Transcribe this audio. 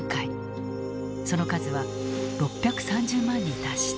その数は６３０万に達した。